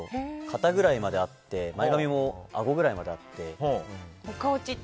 肩ぐらいまであって前髪もあごぐらいまであって。